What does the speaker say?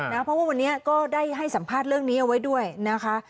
เพราะว่าวันนี้ก็ได้ให้สัมภาษณ์เรื่องนี้เอาไว้ด้วยนะคะ